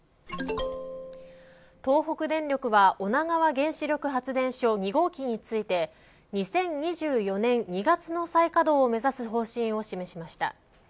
東北電力は女川原子力発電所２号機について２０２４年２月の再稼働を目指す方針を示しました。